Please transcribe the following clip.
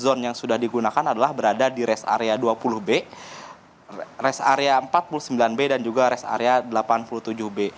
zone yang sudah digunakan adalah berada di rest area dua puluh b res area empat puluh sembilan b dan juga res area delapan puluh tujuh b